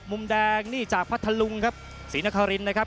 มุมแดงนี่จากพัทธลุงครับศรีนครินนะครับ